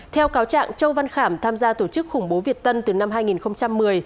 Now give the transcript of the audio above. theo cáo trạng châu văn khảm tham gia tổ chức khủng bố việt tân từ năm hai nghìn một mươi